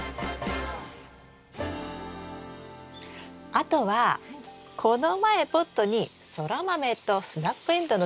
あとはこの前ポットにソラマメとスナップエンドウのタネをまきましたよね？